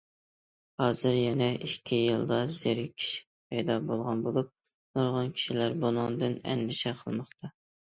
ھازىر يەنە« ئىككى يىلدا زېرىكىش» پەيدا بولغان بولۇپ، نۇرغۇن كىشىلەر بۇنىڭدىن ئەندىشە قىلماقتا.